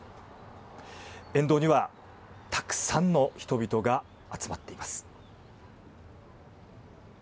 沿道には、たくさんの人々が集まっています。